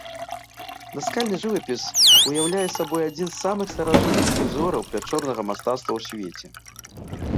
Наскальны жывапіс уяўляе сабой адзін з самых старажытных узораў пячорнага мастацтва ў свеце.